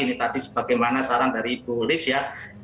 ini tadi sebagaimana saran dari ibu holis ya